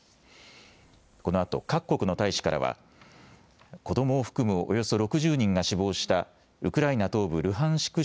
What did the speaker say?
このあと各国の大使からは子どもを含むおよそ６０人が死亡したウクライナ東部ルハンシク